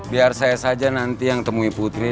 biar saya saja nanti yang temui putri